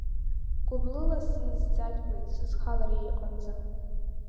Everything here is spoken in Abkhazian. Гәыблыла сизӡатәуеит сызхалар иа иҟынӡа.